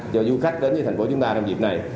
cho du khách đến với thành phố chúng ta trong dịp này